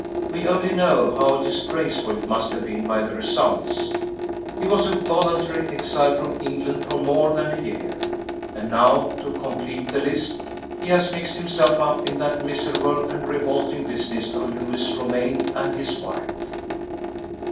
We only know how disgraceful it must have been by the results he was a voluntary exile from England for more than a year. And now, to complete the list, he has mixed himself up in that miserable and revolting business of Lewis Romayne and his wife."